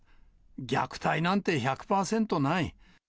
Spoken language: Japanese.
虐待なんて１００％ない。